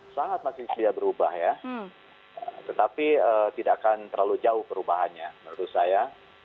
sangat masih tidak berubah ya tetapi tidak akan terlalu jauh perubahannya menurut saya